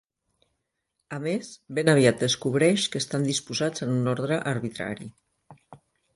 A més, ben aviat descobreix que estan disposats en un ordre arbitrari.